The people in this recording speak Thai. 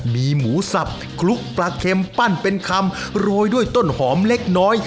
มีหมูสับคลุกปลาเข็มปั้นเป็นคำโรยด้วยต้นหอมเล็กน้อย